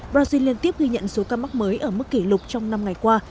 brazil liên tiếp ghi nhận số ca mắc mới ở mức kỷ lục trong năm ngày qua